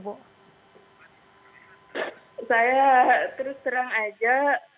saya terus terang aja